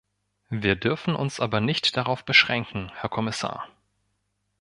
Wir dürfen uns aber nicht darauf beschränken, Herr Kommissar.